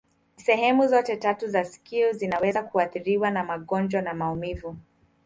Sehemu zote tatu za sikio zinaweza kuathiriwa na magonjwa na maumivu.